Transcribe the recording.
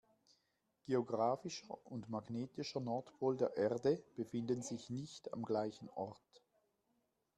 Geographischer und magnetischer Nordpol der Erde befinden sich nicht am gleichen Ort.